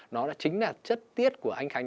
nó chính là chất tiết của anh khánh